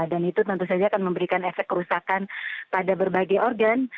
dan itu tentu saja akan memberikan efek kerusakan pada berbagai organ